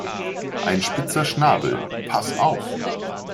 Ein spitzer Schnabel, pass auf!